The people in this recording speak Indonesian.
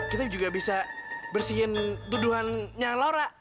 kita juga bisa bersihin tuduhannya lora